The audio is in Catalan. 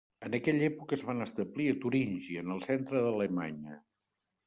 En aquella època es van establir a Turíngia, en el centre d'Alemanya.